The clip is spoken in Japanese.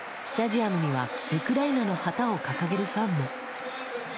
スタジアムにはウクライナの旗を掲げるファンも。